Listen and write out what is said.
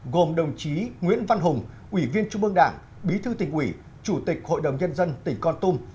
gồm đồng chí nguyễn văn hùng ủy viên trung ương đảng bí thư tỉnh ủy chủ tịch hội đồng nhân dân tỉnh con tum